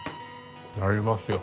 なりますよ。